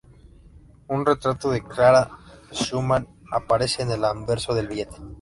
Un retrato de Clara Schumann aparece en el anverso del billete.